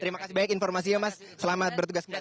terima kasih banyak informasinya mas selamat bertugas kembali